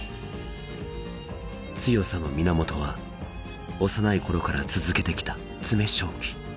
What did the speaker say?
強さの源は幼い頃から続けてきた詰将棋。